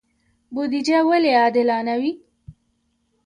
بودجه ولې عادلانه وي؟